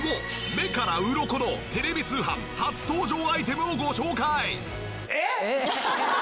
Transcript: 目からうろこのテレビ通販初登場アイテムをご紹介！